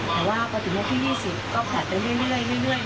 แต่ว่าพอถึงวันที่๒๐ก็แผลไปเรื่อย